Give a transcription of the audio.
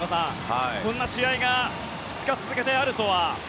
こんな試合が２日続けてあるとは。